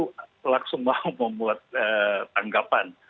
lalu langsung mau membuat anggapan